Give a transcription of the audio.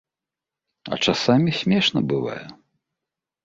А часамі смешна бывае.